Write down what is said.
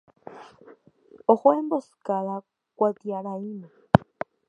Oho Emboscada ka'irãime